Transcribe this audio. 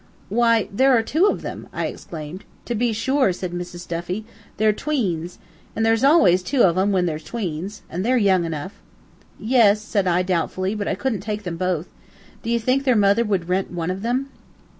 "Why, there are two of them," I exclaimed. "To be sure," said Mrs. Duffy. "They're tweens. There's always two uv em, when they're tweens. An' they're young enough." "Yes," said I, doubtfully, "but I couldn't take both. Do you think their mother would rent one of them?"